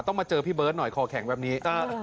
มาเจอพี่เบิร์ตหน่อยคอแข็งแบบนี้